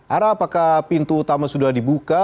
ara apakah pintu utama sudah dibuka